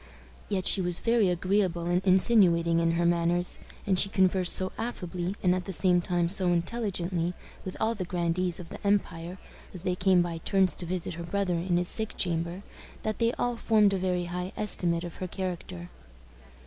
Yet she was very agreeable and insinuating in her manners; and she conversed so affably, and at the same time so intelligently, with all the grandees of the empire, as they came by turns to visit her brother in his sick chamber, that they all formed a very high estimate of her character.